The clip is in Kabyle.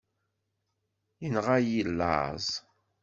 Yenɣa-yi laẓ.